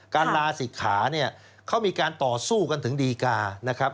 ลาศิกขาเนี่ยเขามีการต่อสู้กันถึงดีกานะครับ